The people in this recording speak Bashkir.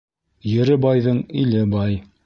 Ере байҙың иле бай.